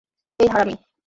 এই, হারামী!